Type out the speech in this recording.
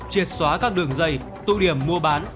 triệt xóa các đường dây tụ điểm mua bán